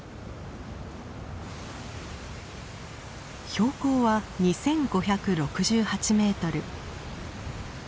標高は２，５６８メートル。